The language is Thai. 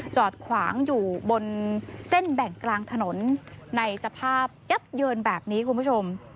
จอดขวางอยู่บนเส้นแบ่งกลางถนนในสภาพยับเยินแบบนี้คุณผู้ชม